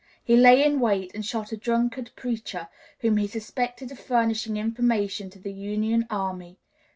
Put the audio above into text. He lay in wait and shot a Drunkard preacher, whom he suspected of furnishing information to the Union army.